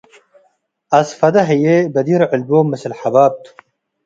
አስፈደ ሀዬ በዲር ዕልቦም ምስል ሐባብ ቱ ።